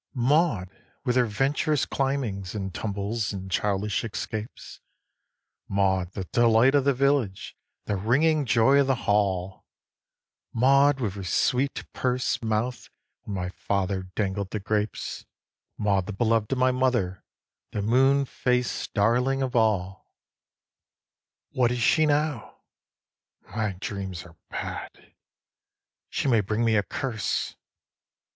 18. Maud with her venturous climbings and tumbles and childish escapes, Maud the delight of the village, the ringing joy of the Hall, Maud with her sweet purse mouth when my father dangled the grapes, Maud the beloved of my mother, the moon faced darling of all, 19. What is she now? My dreams are bad. She may bring me a curse.